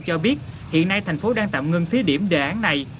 cho biết hiện nay thành phố đang tạm ngưng thí điểm đề án này